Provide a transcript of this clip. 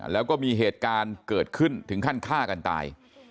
แล้วก็มีเหตุการณ์เกิดขึ้นถึงขั้นฆ่ากันตาย